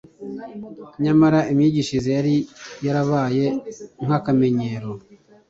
Nyamara imyigishirize yari yarabaye nk'akamenyero.